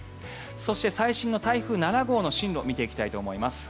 そして、最新の台風７号の進路を見ていきたいと思います。